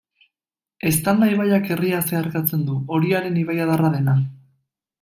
Eztanda ibaiak herria zeharkatzen du, Oriaren ibaiadarra dena.